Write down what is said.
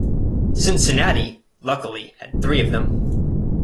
Cincinnati, luckily, had three of them.